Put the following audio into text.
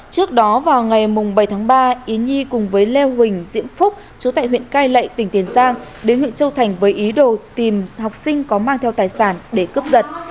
trước đó vào ngày bảy tháng ba ý nhi cùng với lê huỳnh diễm phúc chú tại huyện cai lệ tỉnh tiền giang đến huyện châu thành với ý đồ tìm học sinh có mang theo tài sản để cướp giật